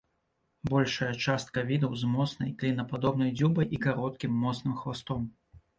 Большая частка відаў з моцнай, клінападобнай дзюбай і кароткім, моцным хвастом.